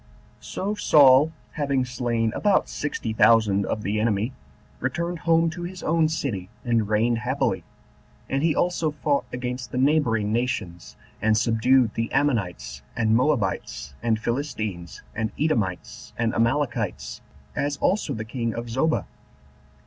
6. So Saul, having slain about sixty thousand of the enemy, returned home to his own city, and reigned happily: and he also fought against the neighboring nations, and subdued the Ammonites, and Moabites, and Philistines, and Edomites, and Amalekites, as also the king of Zobah.